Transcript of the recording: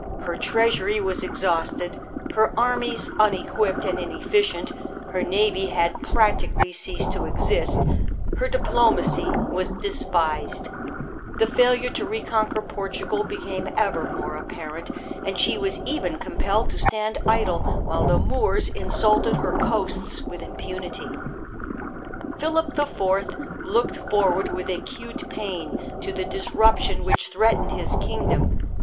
Her treasury was exhausted, her armies unequipped and Decline of inefficient, her navy had practically ceased Spain. to exist, her diplomacy was despised. The failure to reconquer Portugal became ever more apparent, 1 1 8 Louis and the Spanish Netherlands . 1665. and she was even compelled to stand idle while the Moors insulted her coasts with impunity. Philip IV. looked forward with acute pain to the dis ruption which threatened his kingdom.